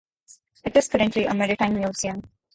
It is currently a maritime museum.